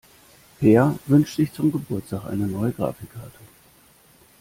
Peer wünscht sich zum Geburtstag eine neue Grafikkarte.